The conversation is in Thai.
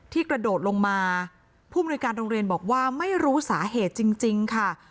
กระโดดลงมาผู้มนุยการโรงเรียนบอกว่าไม่รู้สาเหตุจริงค่ะ